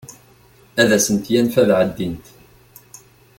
Ad asent-yanef ad ɛeddint.